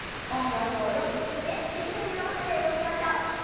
音楽をよく聞いてリズムに合わせて動きましょう。